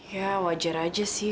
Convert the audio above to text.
ya wajar aja sih